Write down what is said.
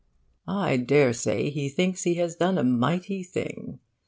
'I daresay he thinks he has done a mighty thing.